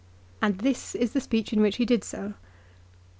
and this is the speech in which he did so.